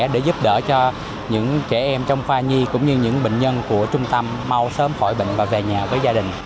để giúp đỡ cho những trẻ em trong khoa nhi cũng như những bệnh nhân của trung tâm mau sớm khỏi bệnh và về nhà với gia đình